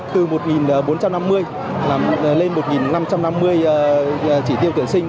từ một nghìn bốn trăm năm mươi lên một nghìn năm trăm năm mươi chỉ tiêu tuyển sinh